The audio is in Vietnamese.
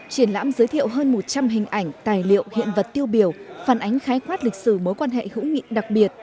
triển lãm giới thiệu hơn một trăm linh hình ảnh tài liệu hiện vật tiêu biểu phản ánh khái quát lịch sử mối quan hệ hữu nghị đặc biệt